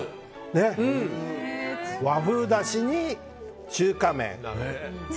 和風だしに中華麺。